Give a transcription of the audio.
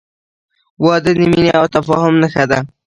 • واده د مینې او تفاهم نښه ده.